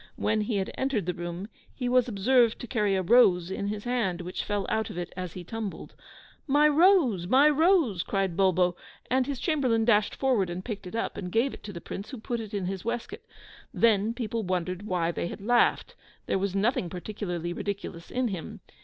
When he had entered the room, he was observed to carry a rose in his hand, which fell out of it as he tumbled. "My rose! my rose!" cried Bulbo, and his chamberlain dashed forward and picked it up, and gave it to the Prince, who put it in his waistcoat. Then people wondered why they had laughed; there was nothing particularly ridiculous in him.